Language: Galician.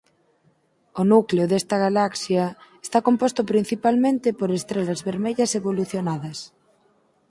O núcleo desta galaxia está composto principalmente por estrelas vermellas evolucionadas.